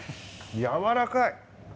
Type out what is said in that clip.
やわらかい！